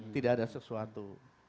tidak ada sesuatu